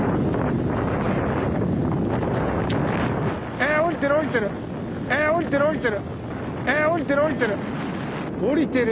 え下りてる下りてる！